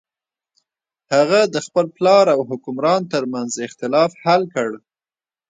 هغه د خپل پلار او حکمران تر منځ اختلاف حل کړ.